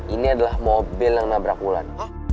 ini adalah mobil yang nabrak bulan